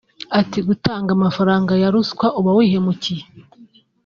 Ati “Gutanga amafaranga ya ruswa uba wihemukiye